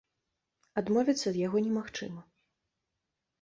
Адмовіцца ад яго немагчыма.